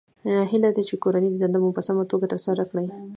هیله ده چې کورنۍ دنده مو په سمه توګه ترسره کړئ